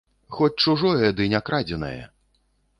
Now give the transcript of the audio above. Хоць чужое, ды не крадзенае!